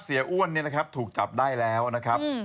อ้วนเนี่ยนะครับถูกจับได้แล้วนะครับ